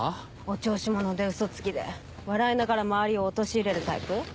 お調子者でウソつきで笑いながら周りを陥れるタイプ。